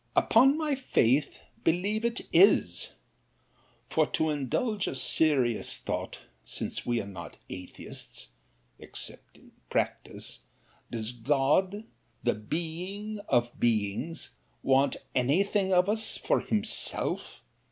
Upon my faith, believe it is. For, to indulge a serious thought, since we are not atheists, except in practice, does God, the BEING of Beings, want any thing of us for HIMSELF!